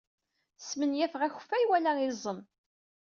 Smenyafeɣ akeffay wala iẓem.